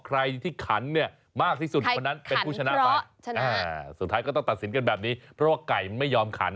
ใครที่ขันเนี่ยมากที่สุดคนนั้นเป็นผู้ชนะไปสุดท้ายก็ต้องตัดสินกันแบบนี้เพราะว่าไก่ไม่ยอมขัน